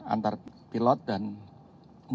antar pilot dan dengan cabin